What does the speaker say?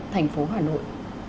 thành phố hà nội